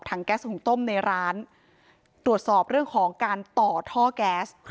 แก๊สหุงต้มในร้านตรวจสอบเรื่องของการต่อท่อแก๊ส